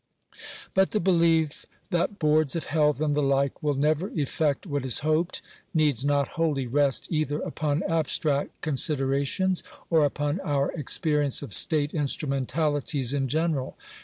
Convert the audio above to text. But the belief that Boards of Health, and the like, will never effect what is hoped, needs not wholly rest either upon abstract considerations, or upon our experience of state instrumentalities in general.